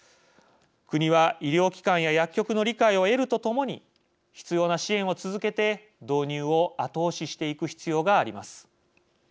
国は医療機関や薬局の理解を得るとともに必要な支援を続けて導入を後押ししていく必要があります。